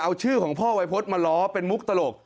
เอาชื่อของพ่อวัยพฤษมาล้อเป็นมุกตลก